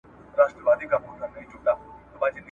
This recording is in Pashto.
څه خوبونه سړی ویني بیرته څنګه پناه کیږي ,